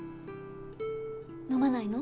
飲まないの？